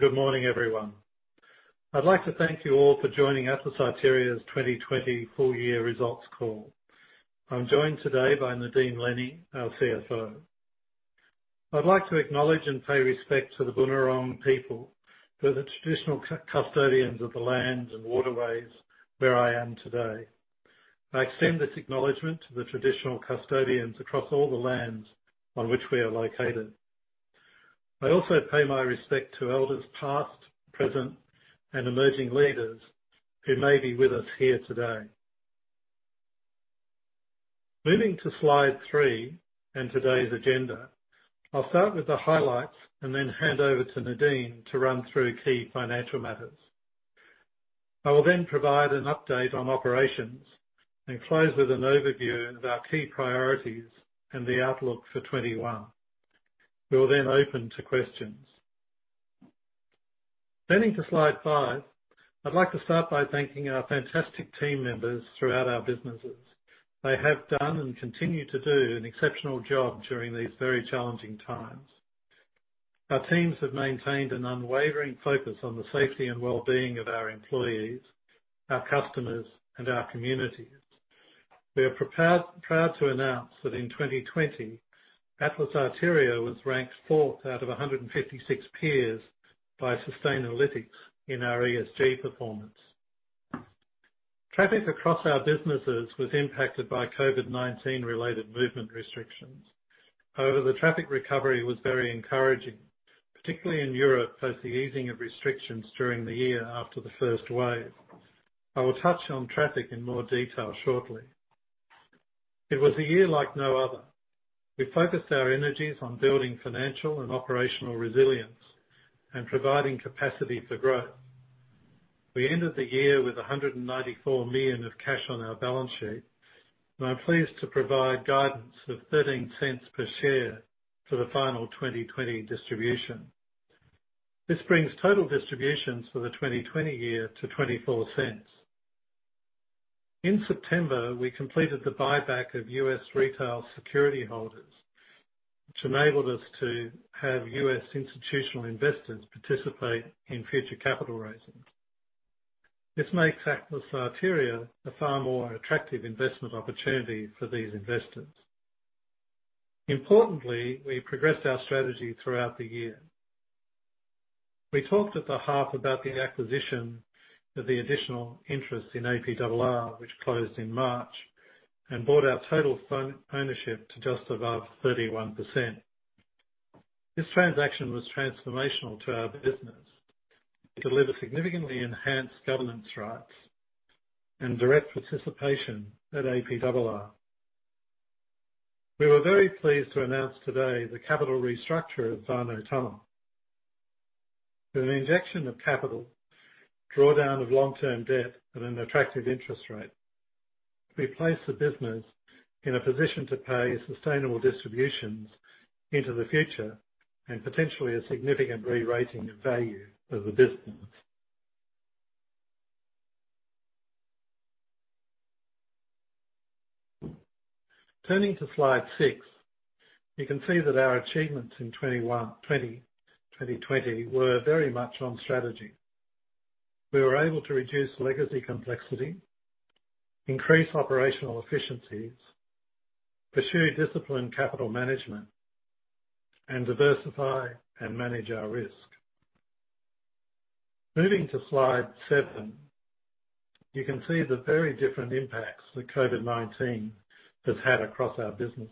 Good morning, everyone. I'd like to thank you all for joining Atlas Arteria's 2020 full year results call. I'm joined today by Nadine Lennie, our CFO. I'd like to acknowledge and pay respect to the Bunurong people, who are the traditional custodians of the lands and waterways where I am today. I extend this acknowledgment to the traditional custodians across all the lands on which we are located. I also pay my respect to elders past, present, and emerging leaders who may be with us here today. Moving to slide three and today's agenda. I'll start with the highlights and then hand over to Nadine to run through key financial matters. I will then provide an update on operations and close with an overview of our key priorities and the outlook for 2021. We will then open to questions. Turning to Slide five, I'd like to start by thanking our fantastic team members throughout our businesses. They have done and continue to do an exceptional job during these very challenging times. Our teams have maintained an unwavering focus on the safety and well-being of our employees, our customers, and our communities. We are proud to announce that in 2020, Atlas Arteria was ranked fourth out of 156 peers by Sustainalytics in our ESG performance. Traffic across our businesses was impacted by COVID-19-related movement restrictions. The traffic recovery was very encouraging, particularly in Europe, as the easing of restrictions during the year after the first wave. I will touch on traffic in more detail shortly. It was a year like no other. We focused our energies on building financial and operational resilience and providing capacity for growth. We ended the year with 194 million of cash on our balance sheet, I'm pleased to provide guidance of 0.13 per share for the final 2020 distribution. This brings total distributions for the 2020 year to 0.24. In September, we completed the buyback of U.S. retail security holders, which enabled us to have U.S. institutional investors participate in future capital raisings. This makes Atlas Arteria a far more attractive investment opportunity for these investors. Importantly, we progressed our strategy throughout the year. We talked at the half about the acquisition of the additional interest in APRR, which closed in March and brought our total ownership to just above 31%. This transaction was transformational to our business. It delivered significantly enhanced governance rights and direct participation at APRR. We were very pleased to announce today the capital restructure of Warnow Tunnel. With an injection of capital, drawdown of long-term debt at an attractive interest rate, we placed the business in a position to pay sustainable distributions into the future and potentially a significant re-rating of value of the business. Turning to slide six, you can see that our achievements in 2020 were very much on strategy. We were able to reduce legacy complexity, increase operational efficiencies, pursue disciplined capital management, and diversify and manage our risk. Moving to slide seven, you can see the very different impacts that COVID-19 has had across our businesses.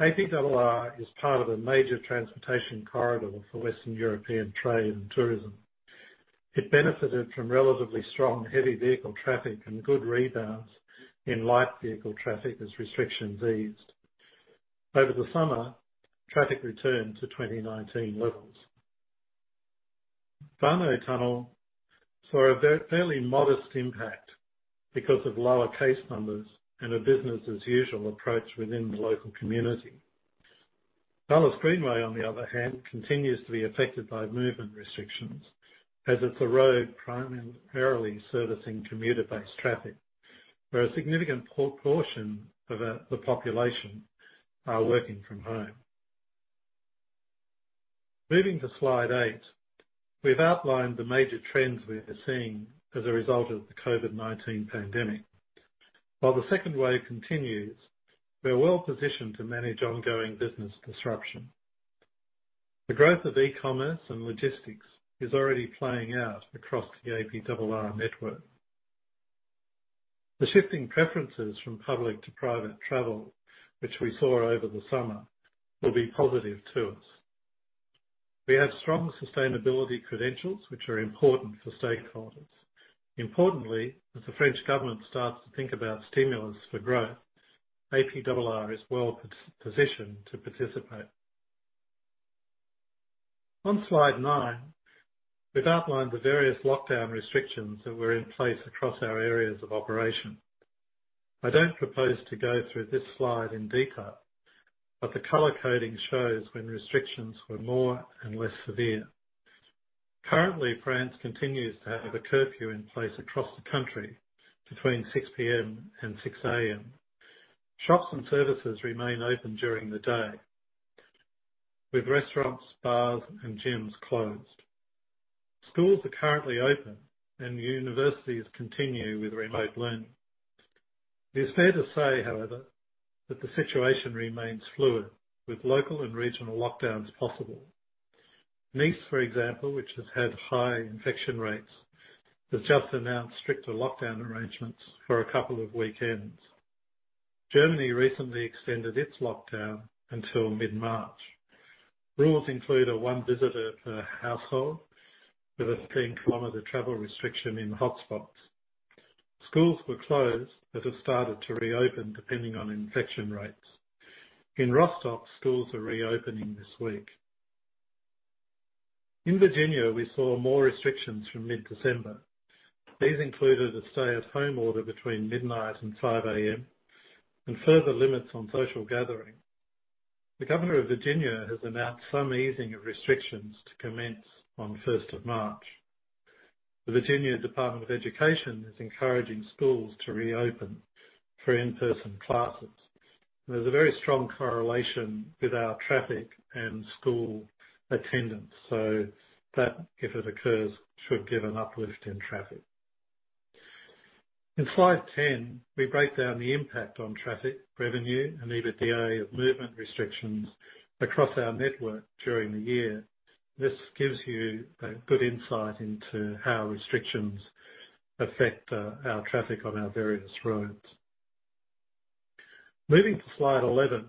APRR is part of a major transportation corridor for Western European trade and tourism. It benefited from relatively strong heavy vehicle traffic and good rebounds in light vehicle traffic as restrictions eased. Over the summer, traffic returned to 2019 levels. Warnow Tunnel saw a fairly modest impact because of lower case numbers and a business as usual approach within the local community. Dulles Greenway, on the other hand, continues to be affected by movement restrictions as it's a road primarily servicing commuter-based traffic, where a significant portion of the population are working from home. Moving to slide eight, we've outlined the major trends we're seeing as a result of the COVID-19 pandemic. While the second wave continues, we are well-positioned to manage ongoing business disruption. The growth of e-commerce and logistics is already playing out across the APRR network. The shifting preferences from public to private travel, which we saw over the summer, will be positive to us. We have strong sustainability credentials, which are important for stakeholders. Importantly, as the French government starts to think about stimulus for growth, APRR is well-positioned to participate. On slide nine, we've outlined the various lockdown restrictions that were in place across our areas of operation. I don't propose to go through this slide in detail, the color coding shows when restrictions were more and less severe. Currently, France continues to have a curfew in place across the country between 6:00 P.M. and 6:00 A.M. Shops and services remain open during the day, with restaurants, bars, and gyms closed. Schools are currently open and universities continue with remote learning. It is fair to say, however, that the situation remains fluid with local and regional lockdowns possible. Nice, for example, which has had high infection rates, has just announced stricter lockdown arrangements for a couple of weekends. Germany recently extended its lockdown until mid-March. Rules include one visitor per household with a 10-kilometer travel restriction in hotspots. Schools that were closed have started to reopen depending on infection rates. In Rostock, schools are reopening this week. In Virginia, we saw more restrictions from mid-December. These included a stay-at-home order between midnight and 5:00 A.M. and further limits on social gathering. The governor of Virginia has announced some easing of restrictions to commence on the 1st of March. The Virginia Department of Education is encouraging schools to reopen for in-person classes. There's a very strong correlation with our traffic and school attendance, so that, if it occurs, should give an uplift in traffic. In slide 10, we break down the impact on traffic, revenue, and EBITDA of movement restrictions across our network during the year. This gives you a good insight into how restrictions affect our traffic on our various roads. Moving to slide 11.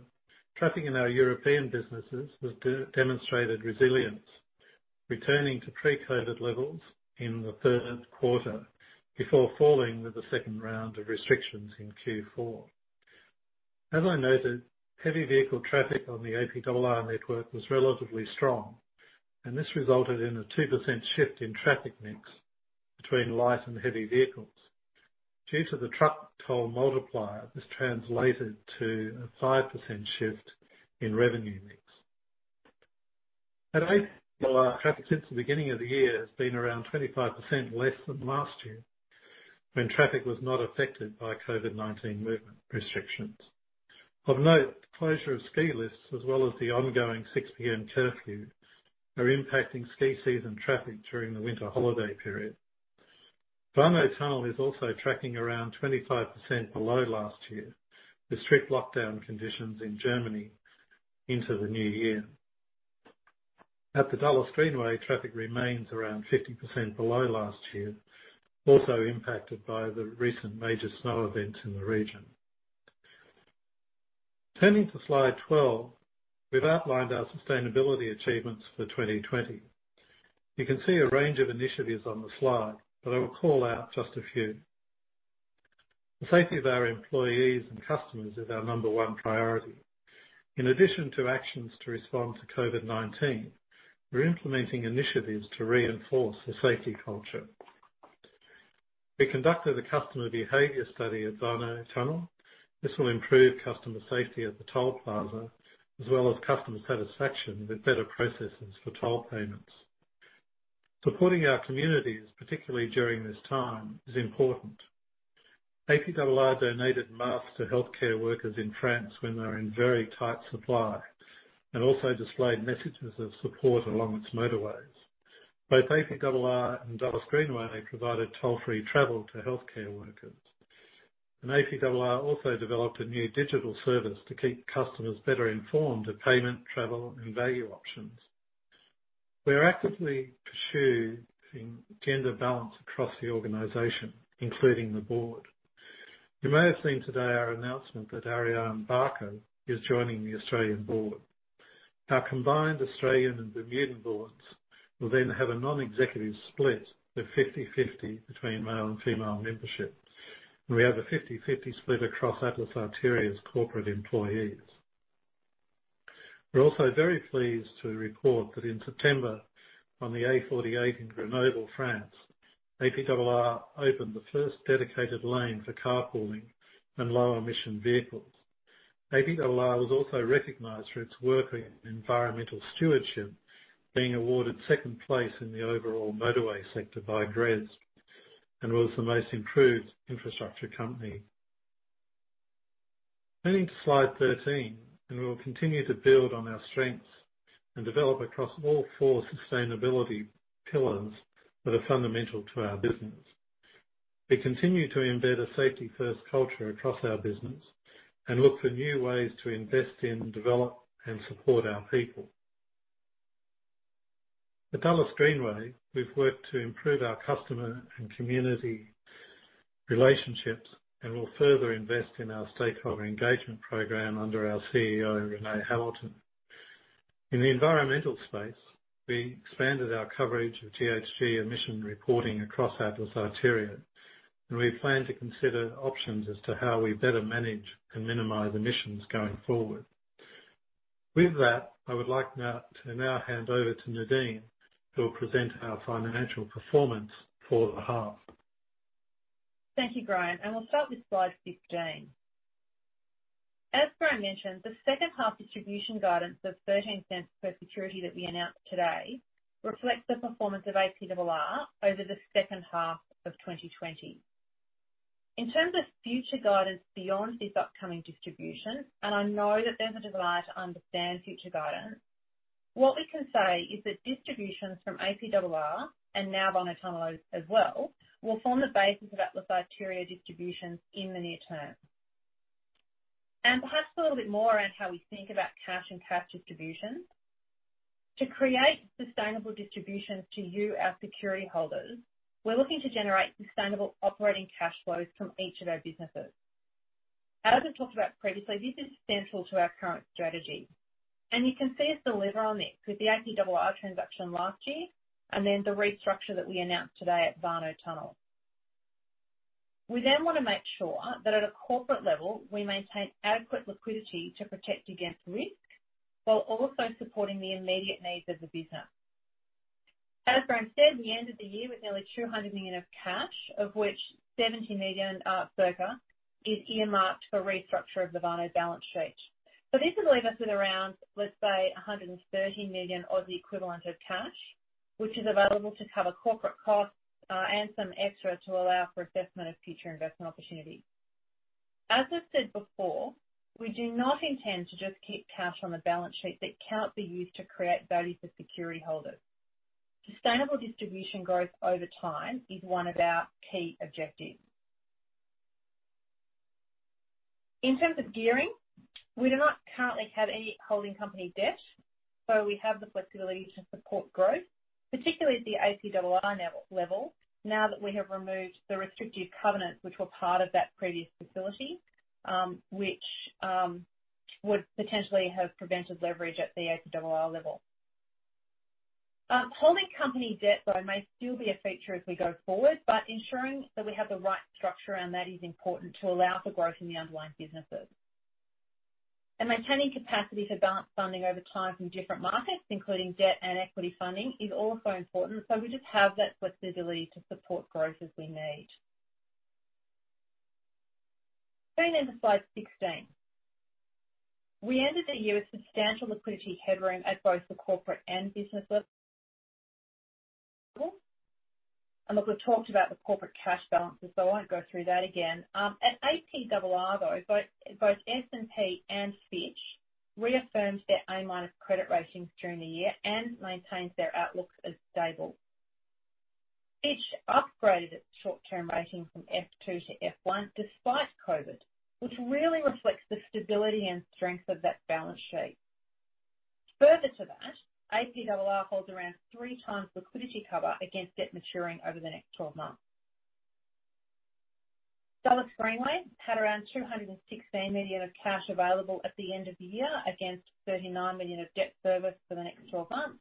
Traffic in our European businesses has demonstrated resilience, returning to pre-COVID-19 levels in the third quarter before falling with the second round of restrictions in Q4. As I noted, heavy vehicle traffic on the APRR network was relatively strong, this resulted in a 2% shift in traffic mix between light and heavy vehicles. Due to the truck toll multiplier, this translated to a 5% shift in revenue mix. At APRR, traffic since the beginning of the year has been around 25% less than last year when traffic was not affected by COVID-19 movement restrictions. Of note, closure of ski lifts as well as the ongoing 6:00 P.M. curfew are impacting ski season traffic during the winter holiday period. Warnow Tunnel is also tracking around 25% below last year with strict lockdown conditions in Germany into the new year. At the Dulles Greenway, traffic remains around 50% below last year, also impacted by the recent major snow events in the region. Turning to slide 12, we've outlined our sustainability achievements for 2020. You can see a range of initiatives on the slide, but I will call out just a few. The safety of our employees and customers is our number one priority. In addition to actions to respond to COVID-19, we're implementing initiatives to reinforce the safety culture. We conducted a customer behavior study at Warnow Tunnel. This will improve customer safety at the toll plaza as well as customer satisfaction with better processes for toll payments. Supporting our communities, particularly during this time, is important. APRR donated masks to healthcare workers in France when they were in very tight supply and also displayed messages of support along its motorways. Both APRR and Dulles Greenway provided toll-free travel to healthcare workers. APRR also developed a new digital service to keep customers better informed of payment, travel, and value options. We are actively pursuing gender balance across the organization, including the board. You may have seen today our announcement that Ariane Barker is joining the Australian board. Our combined Australian and Bermudan boards will then have a non-executive split of 50/50 between male and female membership. We have a 50/50 split across Atlas Arteria's corporate employees. We're also very pleased to report that in September on the A48 in Grenoble, France, APRR opened the first dedicated lane for carpooling and low-emission vehicles. APRR was also recognized for its work in environmental stewardship, being awarded second place in the overall motorway sector by GRESB and was the most improved infrastructure company. Turning to slide 13, we'll continue to build on our strengths and develop across all four sustainability pillars that are fundamental to our business. We continue to embed a safety-first culture across our business and look for new ways to invest in, develop, and support our people. At Dulles Greenway, we've worked to improve our customer and community relationships and will further invest in our stakeholder engagement program under our CEO, Graeme Bevans. In the environmental space, we expanded our coverage of GHG emission reporting across Atlas Arteria, and we plan to consider options as to how we better manage and minimize emissions going forward. With that, I would like to now hand over to Nadine, who will present our financial performance for the half. Thank you, Graeme. We'll start with slide 15. As Graeme mentioned, the second half distribution guidance of 0.13 per security that we announced today reflects the performance of APRR over the second half of 2020. In terms of future guidance beyond this upcoming distribution, and I know that there's a desire to understand future guidance, what we can say is that distributions from APRR, and now Warnow Tunnel as well, will form the basis of Atlas Arteria distributions in the near term. Perhaps a little bit more around how we think about cash and cash distributions. To create sustainable distributions to you, our security holders, we're looking to generate sustainable operating cash flows from each of our businesses. As I talked about previously, this is central to our current strategy. You can see us deliver on this with the APRR transaction last year. Then the restructure that we announced today at Warnow Tunnel. We want to make sure that at a corporate level, we maintain adequate liquidity to protect against risk, while also supporting the immediate needs of the business. As Graeme said, we ended the year with nearly 200 million of cash, of which 70 million is earmarked for restructure of the Warnow balance sheet. This will leave us with around, let's say, 130 million or the equivalent of cash, which is available to cover corporate costs. Some extra to allow for assessment of future investment opportunities. As I've said before, we do not intend to just keep cash on the balance sheet that can't be used to create value for security holders. Sustainable distribution growth over time is one of our key objectives. In terms of gearing, we do not currently have any holding company debt, so we have the flexibility to support growth, particularly at the APRR level, now that we have removed the restrictive covenants which were part of that previous facility, which would potentially have prevented leverage at the APRR level. Holding company debt, though, may still be a feature as we go forward, but ensuring that we have the right structure around that is important to allow for growth in the underlying businesses. Maintaining capacity for balanced funding over time from different markets, including debt and equity funding, is also important, so we just have that flexibility to support growth as we need. Going over to slide 16. We ended the year with substantial liquidity headroom at both the corporate and business level. Look, we've talked about the corporate cash balances, so I won't go through that again. At APRR, though, both S&P and Fitch reaffirmed their A- credit ratings during the year and maintained their outlooks as stable. Fitch upgraded its short-term rating from F2 to F1 despite COVID, which really reflects the stability and strength of that balance sheet. Further to that, APRR holds around three times liquidity cover against debt maturing over the next 12 months. Look, Dulles Greenway had around $216 million of cash available at the end of the year, against $39 million of debt service for the next 12 months,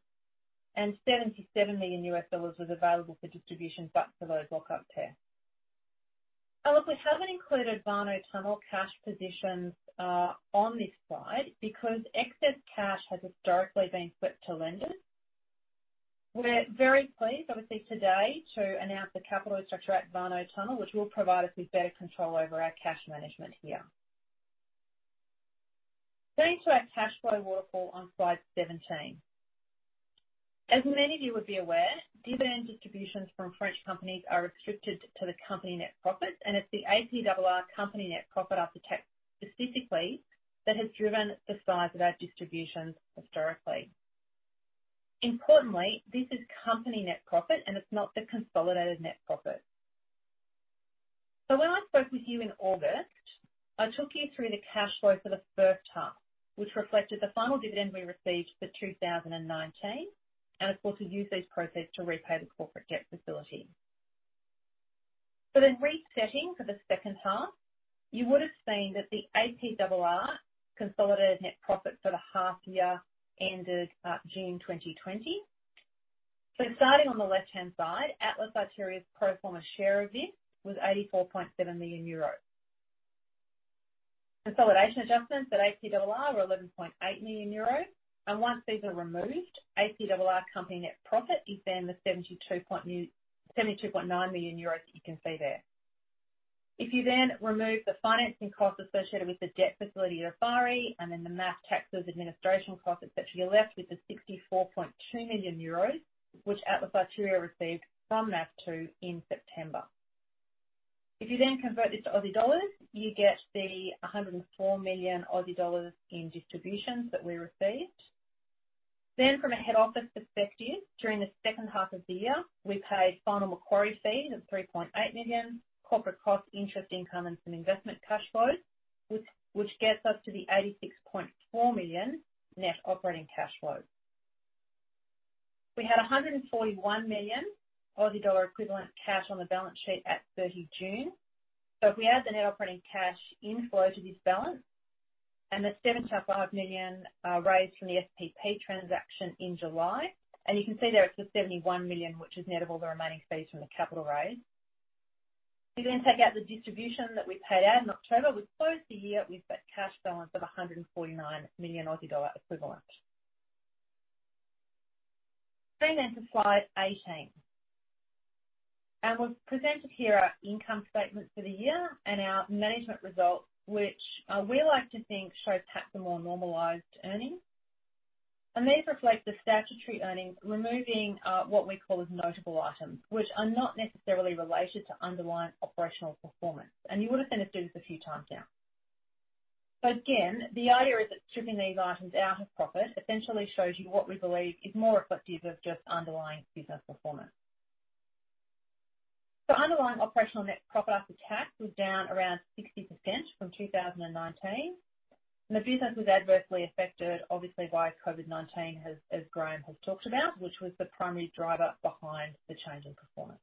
and $77 million was available for distribution back to those lock-up pairs. We haven't included Warnow Tunnel cash positions on this slide because excess cash has historically been swept to lenders. We're very pleased, obviously, today, to announce the capital structure at Warnow Tunnel, which will provide us with better control over our cash management here. Going to our cash flow waterfall on slide 17. As many of you would be aware, dividend distributions from French companies are restricted to the company net profit, and it's the APRR company net profit after tax specifically that has driven the size of our distributions historically. Importantly, this is company net profit, and it's not the consolidated net profit. When I spoke with you in August, I took you through the cash flow for the first half, which reflected the final dividend we received for 2019, and of course, we used these proceeds to repay the corporate debt facility. In resetting for the second half, you would've seen that the APRR consolidated net profit for the half year ended June 2020. Starting on the left-hand side, Atlas Arteria's pro forma share of this was 84.7 million euros. Consolidation adjustments at APRR were 11.8 million euros. Once these are removed, APRR company net profit is then the 72.9 million euros that you can see there. If you then remove the financing costs associated with the debt facility Eiffarie and then the MAF taxes, administration costs, et cetera, you're left with the 64.2 million euros, which Atlas Arteria received from NAFT in September. You convert this to Aussie dollars, you get the 104 million Aussie dollars in distributions that we received. From a head office perspective, during the second half of the year, we paid final Macquarie fees of 3.8 million, corporate costs, interest income, and some investment cash flows, which gets us to the 86.4 million net operating cash flow. We had EUR 141 million equivalent cash on the balance sheet at 30 June. If we add the net operating cash inflow to this balance and the 75 million raised from the SPP transaction in July, and you can see there it's the 71 million, which is net of all the remaining fees from the capital raise. You take out the distribution that we paid out in October, we close the year with that cash balance of EUR 149 million equivalent. Moving on to slide 18. We've presented here our income statement for the year and our management results, which we like to think shows perhaps the more normalized earnings. These reflect the statutory earnings, removing what we call as notable items, which are not necessarily related to underlying operational performance. You would have seen us do this a few times now. Again, the idea is that stripping these items out of profit essentially shows you what we believe is more reflective of just underlying business performance. Underlying operational net profit after tax was down around 60% from 2019, and the business was adversely affected, obviously, by COVID-19, as Graeme has talked about, which was the primary driver behind the change in performance.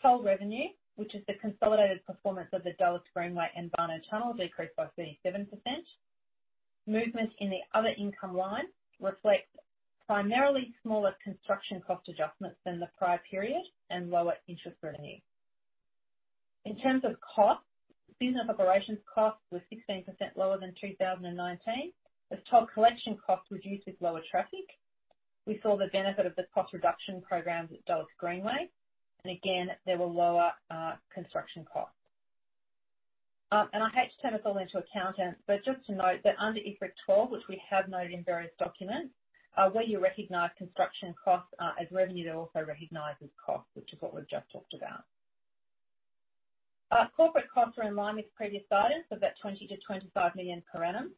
Toll revenue, which is the consolidated performance of the Dulles Greenway and Warnow Tunnel, decreased by 37%. Movement in the other income line reflects primarily smaller construction cost adjustments than the prior period and lower interest revenue. In terms of costs, business operations costs were 16% lower than 2019, with toll collection costs reduced with lower traffic. We saw the benefit of the cost reduction programs at Dulles Greenway, and again, there were lower construction costs. I hate to turn us all into accountants, but just to note that under IFRIC 12, which we have noted in various documents, where you recognize construction costs as revenue, they're also recognized as costs, which is what we've just talked about. Corporate costs are in line with previous guidance of about 20 million-25 million per annum.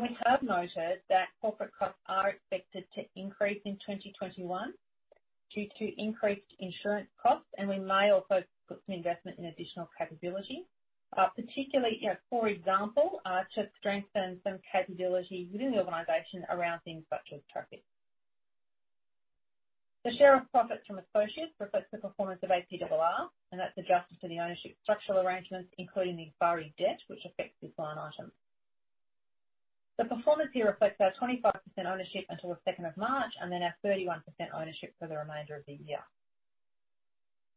We have noted that corporate costs are expected to increase in 2021 due to increased insurance costs, and we may also put some investment in additional capability. Particularly, for example, to strengthen some capability within the organization around things such as traffic. The share of profits from associates reflects the performance of APRR, and that's adjusted for the ownership structural arrangements, including the Eiffarie debt, which affects this line item. The performance here reflects our 25% ownership until the 2nd of March, and then our 31% ownership for the remainder of the year.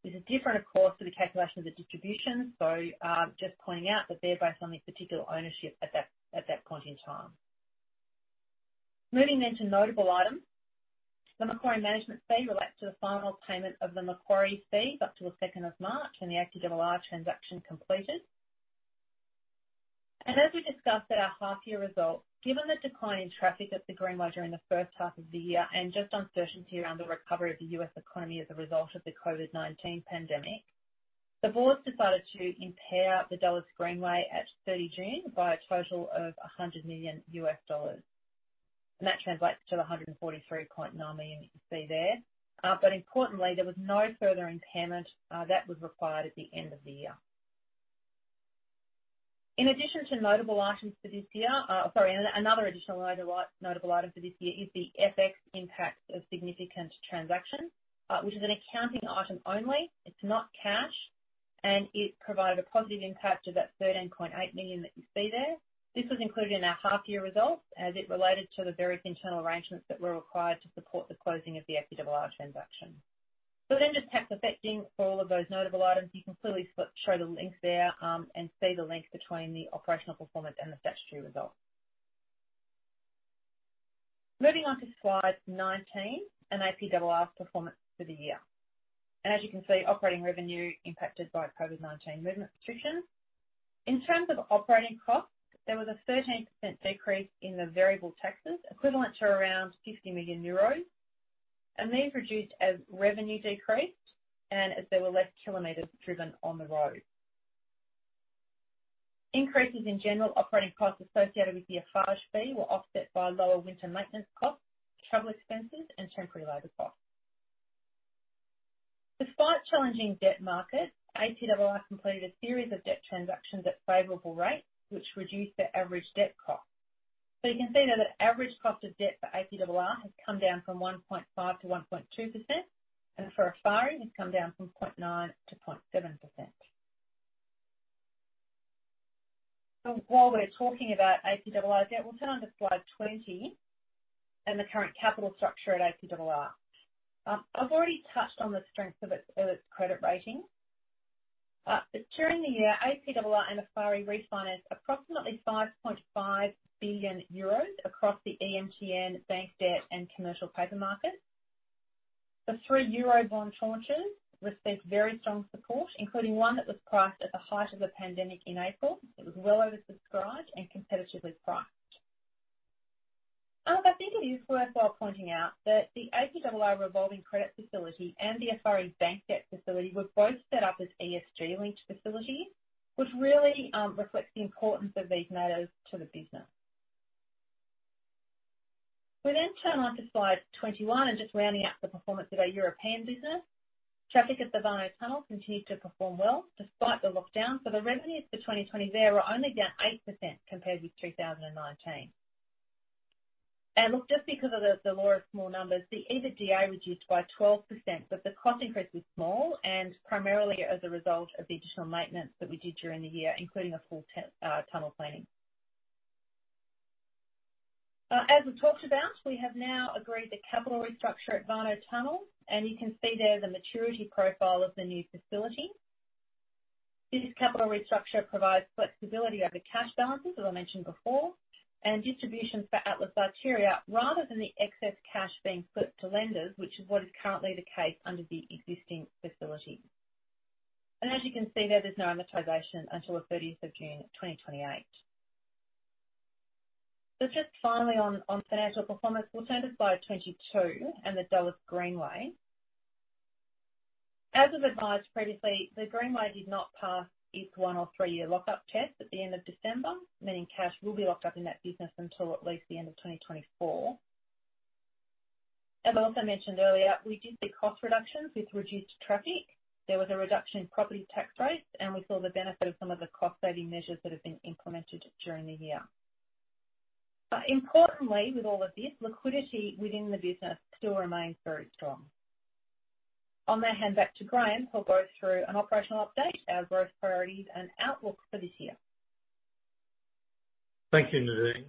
This is different, of course, for the calculation of the distribution, so just pointing out that they're based on the particular ownership at that point in time. Moving to notable items. The Macquarie management fee relates to the final payment of the Macquarie fees up to the 2nd of March when the APRR transaction completed. As we discussed at our half year results, given the decline in traffic at the Greenway during the first half of the year and just uncertainty around the recovery of the U.S. economy as a result of the COVID-19 pandemic, the board decided to impair the Dulles Greenway at 30 June by a total of $100 million U.S. dollars. That translates to the 143.9 million you see there. Importantly, there was no further impairment that was required at the end of the year. In addition to notable items for this year, Sorry, another additional notable item for this year is the FX impact of significant transactions, which is an accounting item only. It is not cash, it provided a positive impact of that 13.8 million that you see there. This was included in our half year results as it related to the various internal arrangements that were required to support the closing of the APRR transaction. Just perhaps affecting all of those notable items, you can clearly show the link there, and see the link between the operational performance and the statutory results. Moving on to slide 19 and APRR's performance for the year. As you can see, operating revenue impacted by COVID-19 movement restrictions. In terms of operating costs, there was a 13% decrease in the variable taxes equivalent to around 50 million euros, and these reduced as revenue decreased and as there were less kilometers driven on the road. Increases in general operating costs associated with the Eiffage fee were offset by lower winter maintenance costs, travel expenses, and temporary labor costs. Despite challenging debt markets, APRR completed a series of debt transactions at favorable rates, which reduced their average debt cost. You can see now the average cost of debt for APRR has come down from 1.5%-1.2%, and for Eiffarie, it has come down from 0.9%-0.7%. While we're talking about APRR's debt, we'll turn onto slide 20 and the current capital structure at APRR. I've already touched on the strength of its credit rating. During the year, APRR and Eiffarie refinanced approximately 5.5 billion euros across the EMTN bank debt and commercial paper markets. The three euro bond tranches received very strong support, including one that was priced at the height of the pandemic in April. It was well oversubscribed and competitively priced. I think it is worthwhile pointing out that the APRR revolving credit facility and the Eiffarie bank debt facility were both set up as ESG linked facilities, which really reflects the importance of these matters to the business. We turn onto slide 21 and just rounding out the performance of our European business. Traffic at the Warnow Tunnel continued to perform well despite the lockdown. The revenues for 2020 there were only down 8% compared with 2019. Just because of the law of small numbers, the EBITDA reduced by 12%, but the cost increase was small and primarily as a result of the additional maintenance that we did during the year, including a full tunnel planning. As we've talked about, we have now agreed the capital restructure at Warnow Tunnel. You can see there the maturity profile of the new facility. This capital restructure provides flexibility over cash balances, as I mentioned before, distributions for Atlas Arteria, rather than the excess cash being put to lenders, which is what is currently the case under the existing facility. As you can see there's no amortization until the 30th of June 2028. Just finally on financial performance. We'll turn to slide 22 and the Dulles Greenway. As we've advised previously, the Greenway did not pass its one or three-year lock-up test at the end of December, meaning cash will be locked up in that business until at least the end of 2024. As I also mentioned earlier, we did see cost reductions with reduced traffic. There was a reduction in property tax rates, we saw the benefit of some of the cost-saving measures that have been implemented during the year. Importantly, with all of this, liquidity within the business still remains very strong. I'm gonna hand back to Graeme, who'll go through an operational update, our growth priorities and outlook for this year. Thank you, Nadine.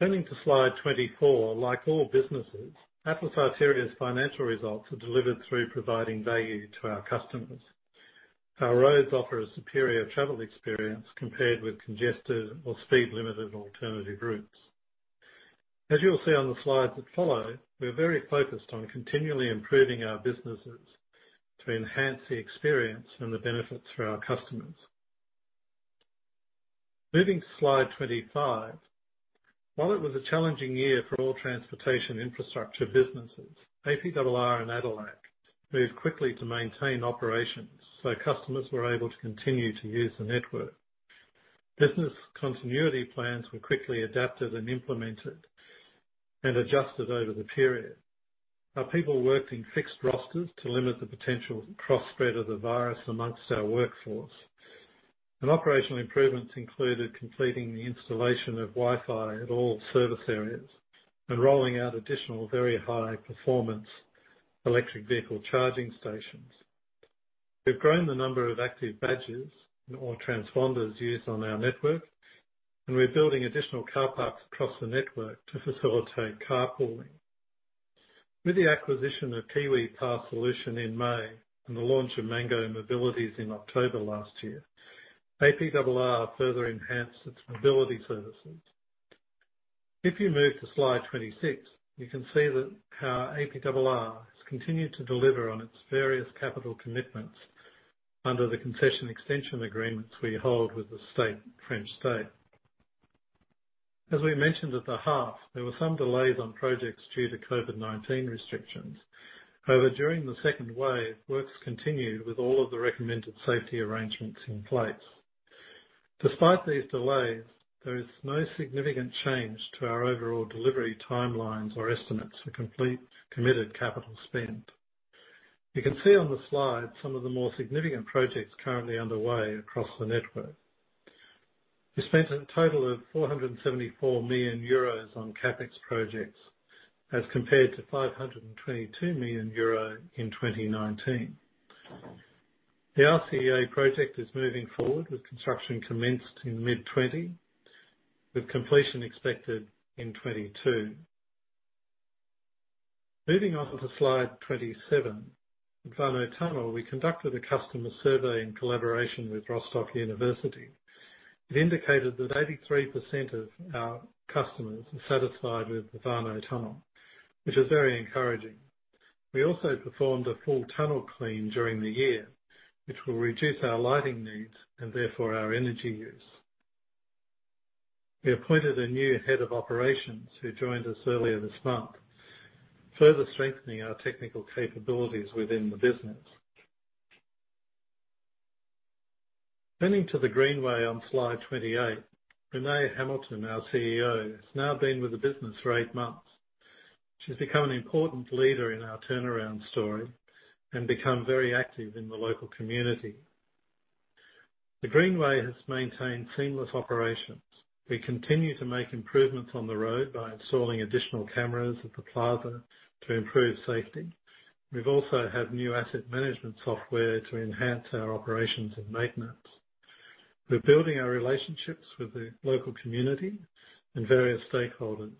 Turning to slide 24, like all businesses, Atlas Arteria's financial results are delivered through providing value to our customers. Our roads offer a superior travel experience compared with congested or speed-limited alternative routes. As you will see on the slides that follow, we're very focused on continually improving our businesses to enhance the experience and the benefits for our customers. Moving to slide 25. While it was a challenging year for all transportation infrastructure businesses, APRR and ADELAC moved quickly to maintain operations so customers were able to continue to use the network. Business continuity plans were quickly adapted and implemented and adjusted over the period. Our people worked in fixed rosters to limit the potential cross-spread of the virus amongst our workforce. Operational improvements included completing the installation of Wi-Fi at all service areas and rolling out additional very high-performance electric vehicle charging stations. We've grown the number of active badges or transponders used on our network, and we're building additional car parks across the network to facilitate carpooling. With the acquisition of KiWi Pass Solution in May and the launch of Mango mobilités in October last year, APRR further enhanced its mobility services. If you move to slide 26, you can see that how APRR has continued to deliver on its various capital commitments under the concession extension agreements we hold with the French state. As we mentioned at the half, there were some delays on projects due to COVID-19 restrictions. However, during the second wave, works continued with all of the recommended safety arrangements in place. Despite these delays, there is no significant change to our overall delivery timelines or estimates for complete committed capital spend. You can see on the slide some of the more significant projects currently underway across the network. We spent a total of 474 million euros on CapEx projects as compared to 522 million euro in 2019. The RCEA project is moving forward with construction commenced in mid 2020, with completion expected in 2022. Moving on to slide 27. Warnow Tunnel, we conducted a customer survey in collaboration with University of Rostock. It indicated that 83% of our customers are satisfied with the Warnow Tunnel, which is very encouraging. We also performed a full tunnel clean during the year, which will reduce our lighting needs and therefore our energy use. We appointed a new head of operations who joined us earlier this month, further strengthening our technical capabilities within the business. Turning to the Greenway on slide 28. Renée N. Hamilton, our CEO, has now been with the business for eight months. She's become an important leader in our turnaround story and become very active in the local community. The Greenway has maintained seamless operations. We continue to make improvements on the road by installing additional cameras at the plaza to improve safety. We've also have new asset management software to enhance our operations and maintenance. We're building our relationships with the local community and various stakeholders.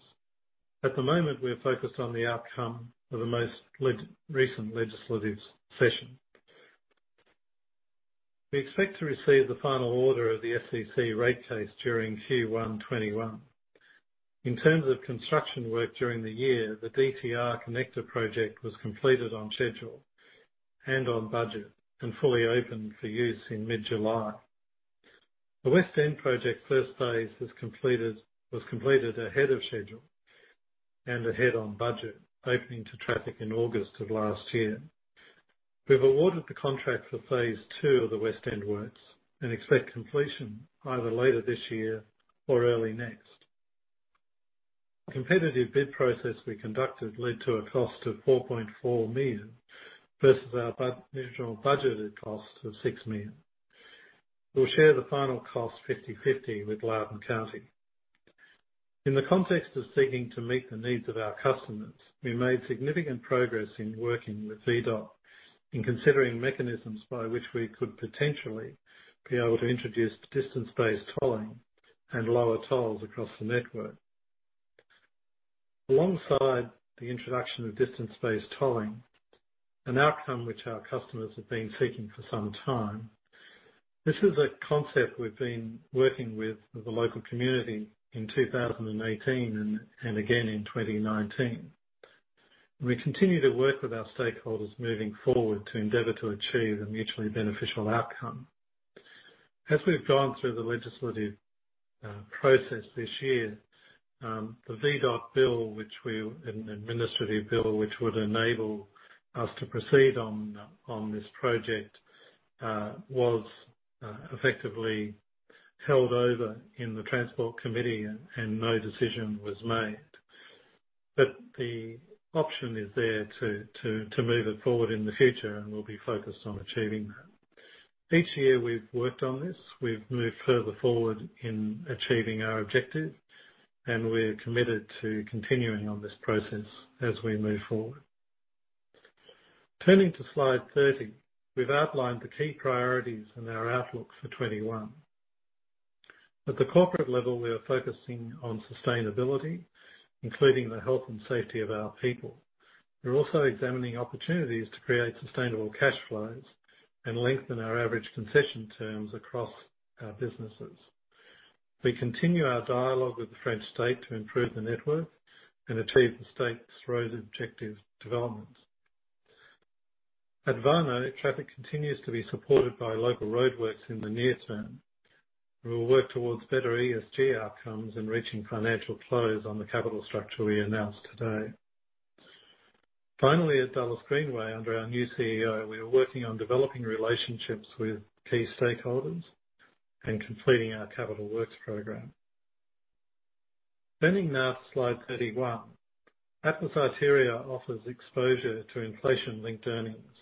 At the moment, we are focused on the outcome of the most recent legislative session. We expect to receive the final order of the SCC rate case during Q1 2021. In terms of construction work during the year, the DTR Connector project was completed on schedule and on budget, and fully open for use in mid-July. The West End project first phase was completed ahead of schedule and ahead on budget, opening to traffic in August of last year. We've awarded the contract for phase 2 of the West End works and expect completion either later this year or early next. A competitive bid process we conducted led to a cost of 4.4 million versus our initial budgeted cost of 6 million. We'll share the final cost 50/50 with Loudoun County. In the context of seeking to meet the needs of our customers, we made significant progress in working with VDOT in considering mechanisms by which we could potentially be able to introduce distance-based tolling and lower tolls across the network. Alongside the introduction of distance-based tolling, an outcome which our customers have been seeking for some time. This is a concept we've been working with the local community in 2018 and again in 2019. We continue to work with our stakeholders moving forward to endeavor to achieve a mutually beneficial outcome. As we've gone through the legislative process this year, the VDOT bill, an administrative bill, which would enable us to proceed on this project, was effectively held over in the transport committee, and no decision was made. The option is there to move it forward in the future, and we'll be focused on achieving that. Each year we've worked on this, we've moved further forward in achieving our objective, and we're committed to continuing on this process as we move forward. Turning to slide 30, we've outlined the key priorities in our outlook for 2021. At the corporate level, we are focusing on sustainability, including the health and safety of our people. We're also examining opportunities to create sustainable cash flows and lengthen our average concession terms across our businesses. We continue our dialogue with the French state to improve the network and achieve the state's road objective developments. At Warnow, traffic continues to be supported by local roadworks in the near term. We will work towards better ESG outcomes and reaching financial close on the capital structure we announced today. Finally, at Dulles Greenway, under our new CEO, we are working on developing relationships with key stakeholders and completing our capital works program. Turning now to slide 31. Atlas Arteria offers exposure to inflation-linked earnings.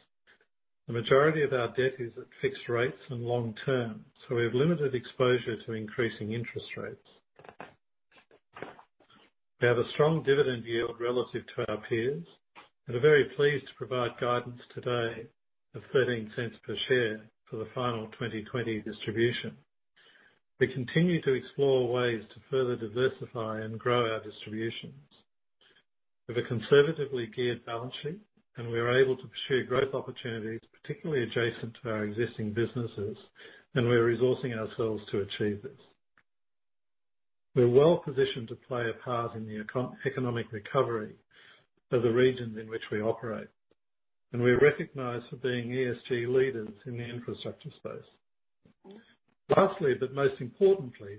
The majority of our debt is at fixed rates and long-term, so we have limited exposure to increasing interest rates. We have a strong dividend yield relative to our peers and are very pleased to provide guidance today of 0.13 per share for the final 2020 distribution. We continue to explore ways to further diversify and grow our distributions. We have a conservatively geared balance sheet, and we are able to pursue growth opportunities, particularly adjacent to our existing businesses, and we are resourcing ourselves to achieve this. We're well-positioned to play a part in the economic recovery of the regions in which we operate. We're recognized for being ESG leaders in the infrastructure space. Lastly, but most importantly,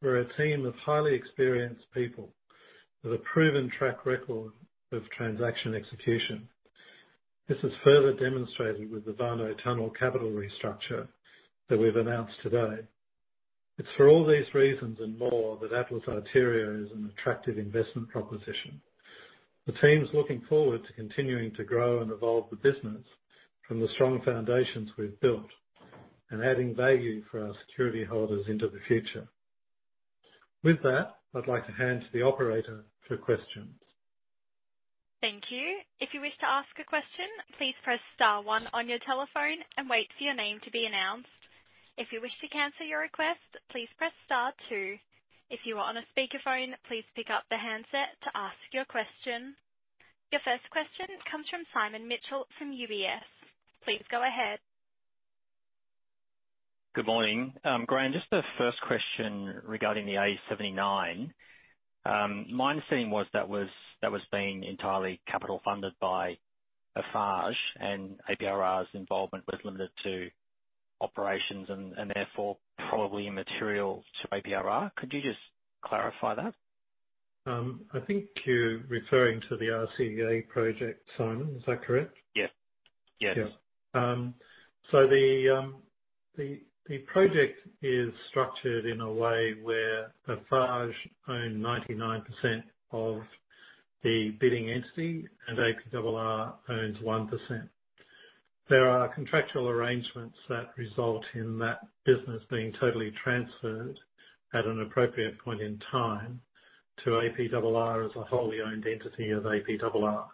we're a team of highly experienced people with a proven track record of transaction execution. This is further demonstrated with the Warnow Tunnel capital restructure that we've announced today. It's for all these reasons and more that Atlas Arteria is an attractive investment proposition. The team's looking forward to continuing to grow and evolve the business from the strong foundations we've built and adding value for our security holders into the future. With that, I'd like to hand to the operator for questions. Thank you. If you wish to ask a question, please press star one on your telephone and wait for your name to be announced. If you wish to cancel your request, please press star two. If you are on a speakerphone, please pick up the handset to ask your question. Your first question comes from Simon Mitchell from UBS. Please go ahead. Good morning. Graeme, just a first question regarding the A79. My understanding was that was being entirely capital funded by Eiffage and APRR's involvement was limited to operations and therefore probably immaterial to APRR. Could you just clarify that? I think you're referring to the RCEA project, Simon. Is that correct? Yes. Yeah. The project is structured in a way where Eiffage own 99% of the bidding entity and APRR owns 1%. There are contractual arrangements that result in that business being totally transferred at an appropriate point in time to APRR as a wholly owned entity of APRR.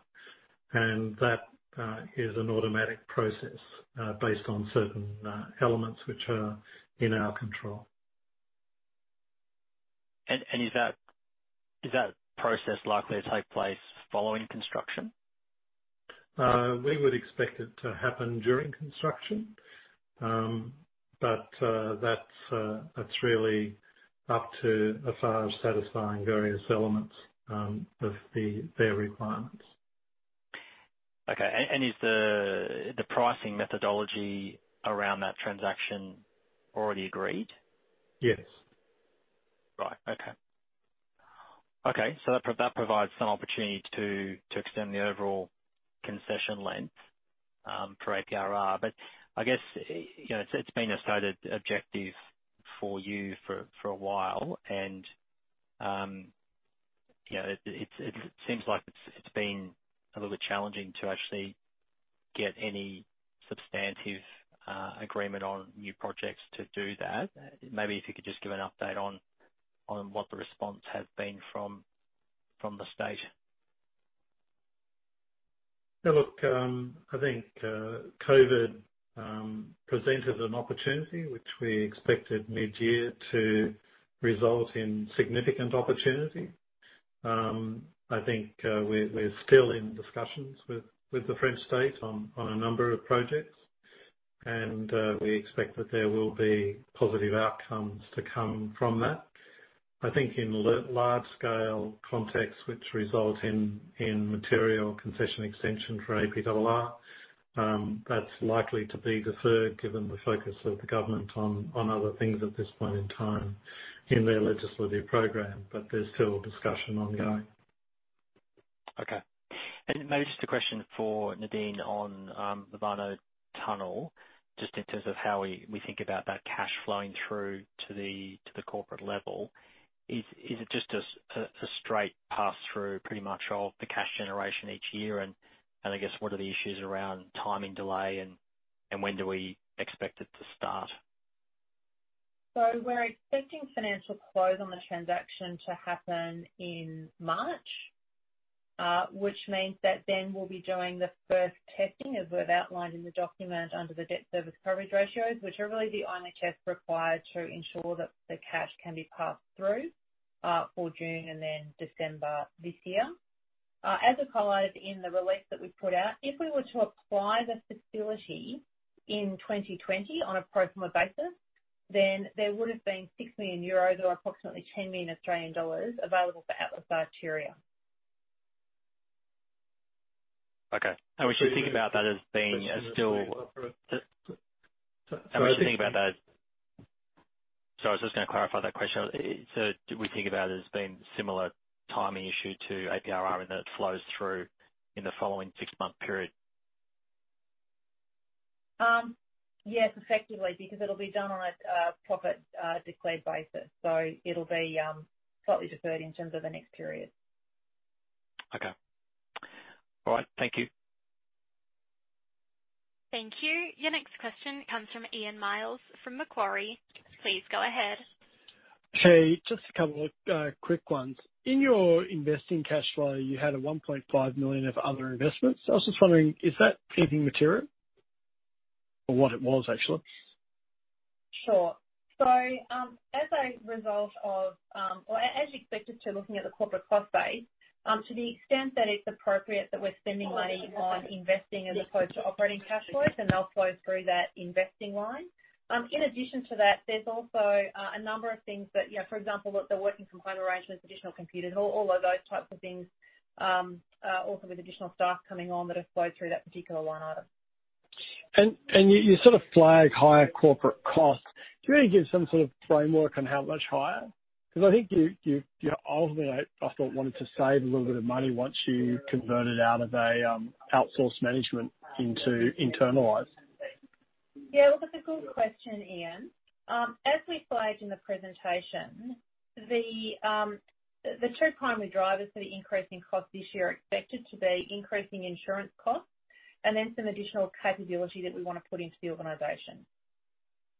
That is an automatic process based on certain elements which are in our control. Is that process likely to take place following construction? We would expect it to happen during construction, but that's really up to Eiffage satisfying various elements of their requirements. Okay. Is the pricing methodology around that transaction already agreed? Yes. Right. Okay. That provides some opportunity to extend the overall concession length, for APRR. I guess, it's been a stated objective for you for a while and it seems like it's been a little bit challenging to actually get any substantive agreement on new projects to do that. Maybe if you could just give an update on what the response has been from the state Look, I think COVID-19 presented an opportunity, which we expected mid-year to result in significant opportunity. I think we're still in discussions with the French state on a number of projects, and we expect that there will be positive outcomes to come from that. I think in large-scale context, which result in material concession extension for APRR, that's likely to be deferred given the focus of the government on other things at this point in time in their legislative program. There's still discussion ongoing. Okay. Maybe just a question for Nadine on the Warnow Tunnel, just in terms of how we think about that cash flowing through to the corporate level. Is it just a straight pass-through pretty much of the cash generation each year, and I guess what are the issues around timing delay and when do we expect it to start? We're expecting financial close on the transaction to happen in March. That then we'll be doing the first testing, as we've outlined in the document under the debt service coverage ratios, which are really the only tests required to ensure that the cash can be passed through for June and then December this year. As we've highlighted in the release that we put out, if we were to acquire the facility in 2020 on a pro forma basis, then there would've been €6 million or approximately 10 million Australian dollars available for Atlas Arteria. Okay. Sorry, I was just going to clarify that question. Do we think about it as being similar timing issue to APRR in that it flows through in the following six-month period? Effectively, because it'll be done on a profit declared basis. It'll be slightly deferred in terms of the next period. Okay. All right. Thank you. Thank you. Your next question comes from Ian Myles from Macquarie. Please go ahead. Hey, just a couple of quick ones. In your investing cash flow, you had a 1.5 million of other investments. I was just wondering, is that keeping material? What it was, actually. Sure. As a result of, or as you're expected to, looking at the corporate cost base, to the extent that it's appropriate that we're spending money on investing as opposed to operating cash flows, then they'll flow through that investing line. In addition to that, there's also a number of things that, for example, the working from home arrangements, additional computers, all of those types of things, also with additional staff coming on that have flowed through that particular line item. You sort of flag higher corporate costs. Can you maybe give some sort of framework on how much higher? I think you, ultimately, I thought, wanted to save a little bit of money once you converted out of an outsource management into internalized. Yeah. Look, that's a good question, Ian. As we flagged in the presentation, the two primary drivers for the increasing cost this year are expected to be increasing insurance costs and then some additional capability that we want to put into the organization.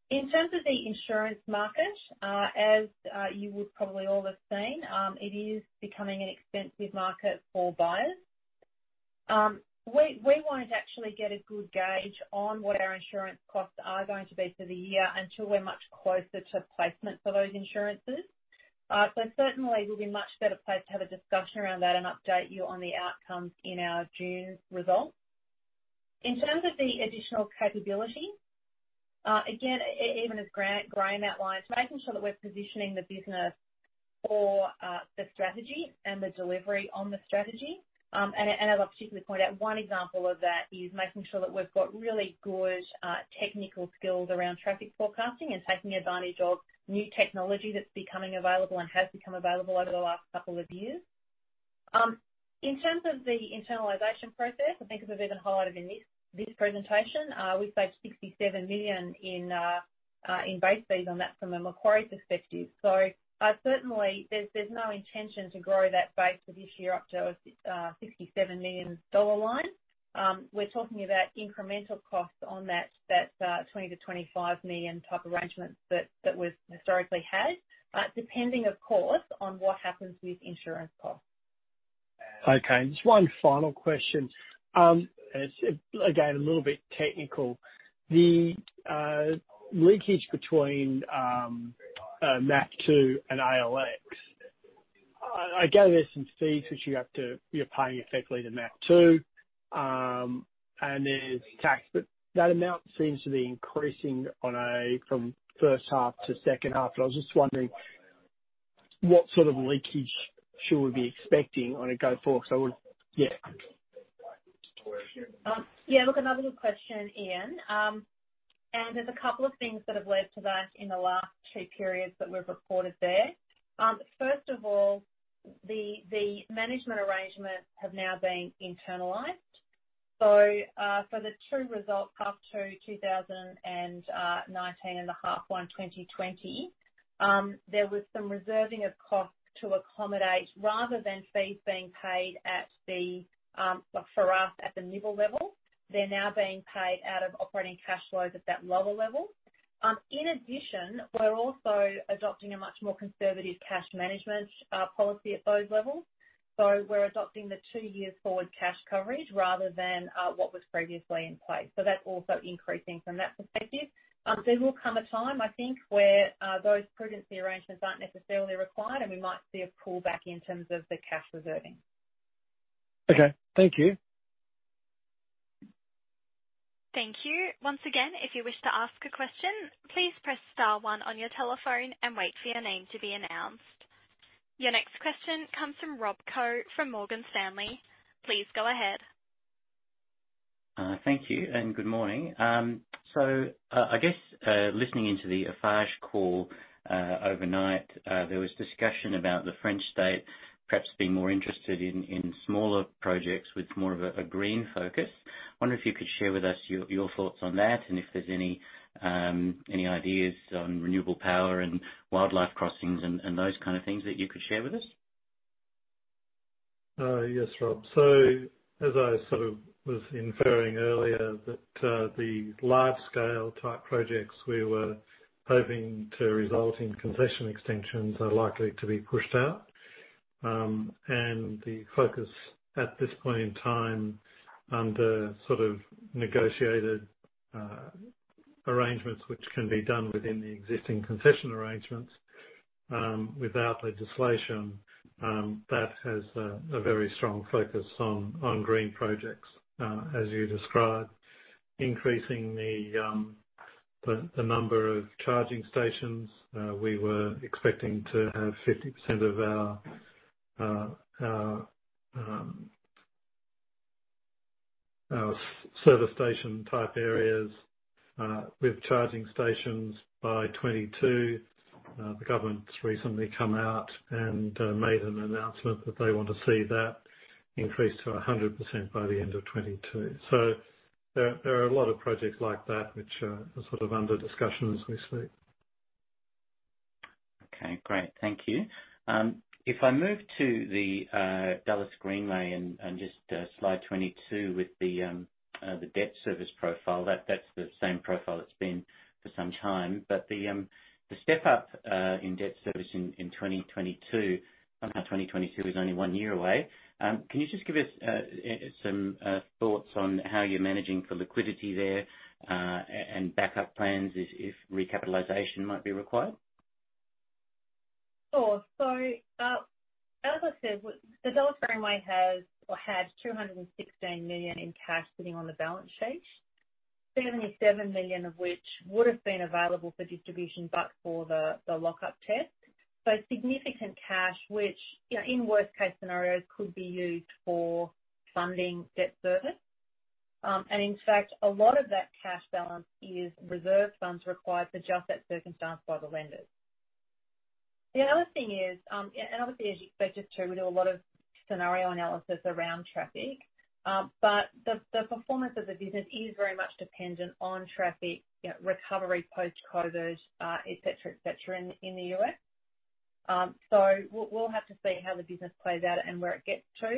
In terms of the insurance market, as you would probably all have seen, it is becoming an expensive market for buyers. We won't actually get a good gauge on what our insurance costs are going to be for the year until we're much closer to placement for those insurances. Certainly we'll be much better placed to have a discussion around that and update you on the outcomes in our June results. In terms of the additional capability, again, even as Graeme outlined, making sure that we're positioning the business for the strategy and the delivery on the strategy. I'd like to particularly point out one example of that is making sure that we've got really good technical skills around traffic forecasting and taking advantage of new technology that's becoming available and has become available over the last couple of years. In terms of the internalization process, I think as we've even highlighted in this presentation, we saved 67 million in base fees on that from a Macquarie perspective. Certainly there's no intention to grow that base for this year up to a AUD 67 million line. We're talking about incremental costs on that 20-25 million type arrangement that we've historically had, depending of course, on what happens with insurance costs. Okay, just one final question. It's, again, a little bit technical. The leakage between Macquarie and ALX. I get there's some fees which you have to pay effectively to Macquarie, and there's tax, but that amount seems to be increasing from first half to second half, and I was just wondering what sort of leakage should we be expecting on a go-forward? Yeah. Yeah. Look, another good question, Ian. There's a couple of things that have led to that in the last two periods that we've reported there. First of all, the management arrangements have now been internalized. For the two results up to 2019 and the half one 2020, there was some reserving of costs to accommodate rather than fees being paid at the, for us, at the nibble level. They're now being paid out of operating cash flows at that lower level. In addition, we're also adopting a much more conservative cash management policy at those levels. We're adopting the two-year forward cash coverage rather than what was previously in place. That's also increasing from that perspective. There will come a time, I think, where those prudency arrangements aren't necessarily required, and we might see a pullback in terms of the cash reserving. Okay. Thank you. Thank you. Your next question comes from Rob Koh from Morgan Stanley. Please go ahead. Thank you, and good morning. I guess, listening into the Eiffage call overnight, there was discussion about the French state perhaps being more interested in smaller projects with more of a green focus. I wonder if you could share with us your thoughts on that, and if there's any ideas on renewable power and wildlife crossings and those kind of things that you could share with us? Yes, Rob. As I was sort of inferring earlier that the large-scale type projects we were hoping to result in concession extensions are likely to be pushed out. The focus at this point in time under negotiated arrangements, which can be done within the existing concession arrangements, without legislation, that has a very strong focus on green projects, as you described. Increasing the number of charging stations, we were expecting to have 50% of our service station type areas with charging stations by 2022. The government's recently come out and made an announcement that they want to see that increase to 100% by the end of 2022. There are a lot of projects like that which are under discussion as we speak. Okay, great. Thank you. If I move to the Dulles Greenway and just slide 22 with the debt service profile. That's the same profile it's been for some time. The step up in debt service in 2022, somehow 2022 is only one year away. Can you just give us some thoughts on how you're managing for liquidity there, and backup plans if recapitalization might be required? Sure. As I said, the Dulles Greenway has or had $216 million in cash sitting on the balance sheet, $77 million of which would've been available for distribution but for the lockup test. Significant cash, which in worst case scenarios could be used for funding debt service. In fact, a lot of that cash balance is reserve funds required for just that circumstance by the lenders. The other thing is, and obviously as you'd expect us to, we do a lot of scenario analysis around traffic. The performance of the business is very much dependent on traffic, recovery post-COVID-19, et cetera, et cetera, in the U.S. We'll have to see how the business plays out and where it gets to.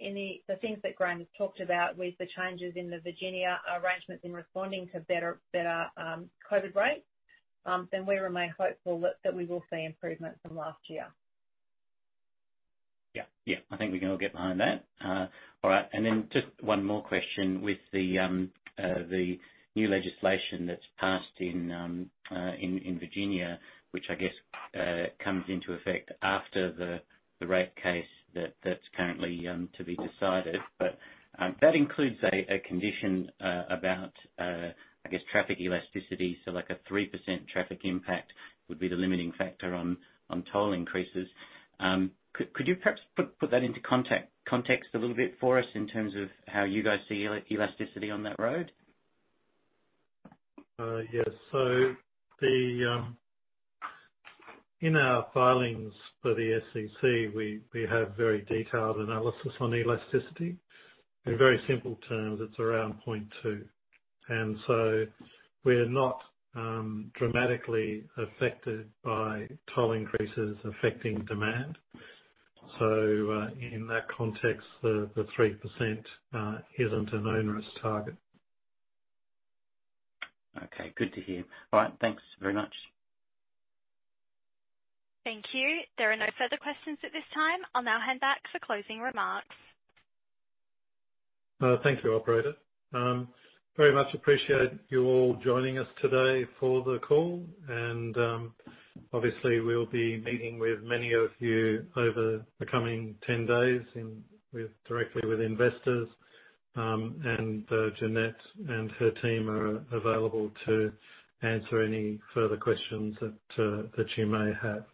In the things that Graeme has talked about with the changes in the Virginia arrangements in responding to better COVID rates, then we remain hopeful that we will see improvement from last year. Yeah. I think we can all get behind that. All right. Just one more question with the new legislation that's passed in Virginia, which I guess comes into effect after the rate case that's currently to be decided. That includes a condition about, I guess traffic elasticity, so like a 3% traffic impact would be the limiting factor on toll increases. Could you perhaps put that into context a little bit for us in terms of how you guys see elasticity on that road? Yes. In our filings for the SCC, we have very detailed analysis on elasticity. In very simple terms, it's around 0.2. We're not dramatically affected by toll increases affecting demand. In that context, the 3% isn't an onerous target. Okay. Good to hear. All right. Thanks very much. Thank you. There are no further questions at this time. I'll now hand back for closing remarks. Thank you, operator. Very much appreciate you all joining us today for the call. Obviously we'll be meeting with many of you over the coming 10 days directly with investors. Jeanette and her team are available to answer any further questions that you may have.